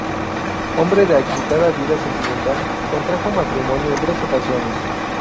Hombre de agitada vida sentimental, contrajo matrimonio en tres ocasiones.